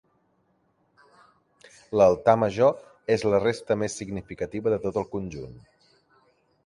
L'Altar major és la resta més significativa de tot el conjunt.